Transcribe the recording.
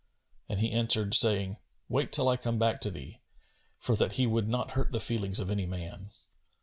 And he answered, saying, "Wait till I come back to thee," for that he would not hurt the feelings of any man.